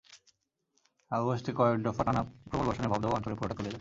আগস্টে কয়েক দফা টানা প্রবল বর্ষণে ভবদহ অঞ্চলের পুরোটা তলিয়ে যায়।